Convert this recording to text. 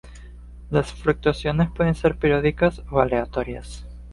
Las fluctuaciones pueden ser periódicas o aleatorias.